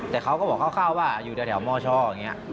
แต่เขาก็บอกคร่าวว่าอยู่แถวมชอย่างนี้